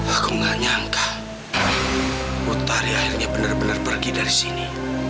aku gak nyangka butari akhirnya benar benar pergi dari sini